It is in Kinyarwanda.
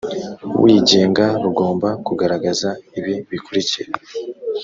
wigenga rugomba kugaragaza ibi bikurikira